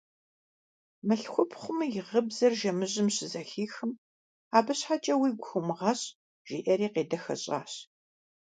Мылъхупхъум и гъыбзэр жэмыжьым щызэхихым: – Абы щхьэкӀэ уигу хомыгъэщӀ, – жиӀэри къедэхэщӀащ.